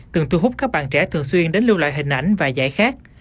từng thu hút các bạn trẻ thường xuyên đến lưu lại hình ảnh và giải khác